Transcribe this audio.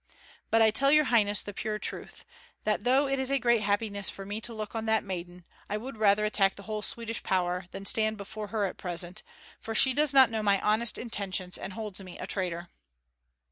But I tell your highness the pure truth, that though it is a great happiness for me to look on that maiden, I would rather attack the whole Swedish power than stand before her at present, for she does not know my honest intentions and holds me a traitor."